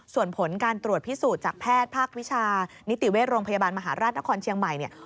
ส่วนผลการตรวจพิสูจน์จากแพทย์ภาควิชานิติเวชโรงพยาบาลมหาราชนครเชียงใหม่เนี่ย